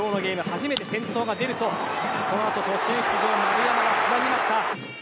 初めて先頭が出るとそのあと途中出場、丸山がつなぎました。